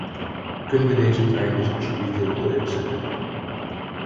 Kunnen we deze trein dus alstublieft weer op de rails zetten?